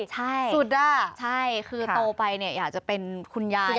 ใช่สุดอ่ะใช่คือโตไปเนี่ยอยากจะเป็นคุณยาย